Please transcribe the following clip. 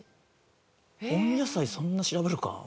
温野菜そんな調べるか？